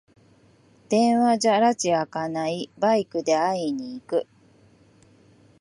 電話じゃらちがあかない、バイクで会いに行く